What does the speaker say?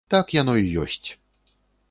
Так яно й ёсць.